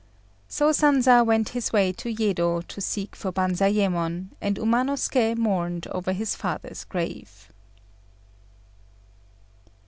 So Sanza went his way to Yedo to seek for Banzayémon, and Umanosuké mourned over his father's grave.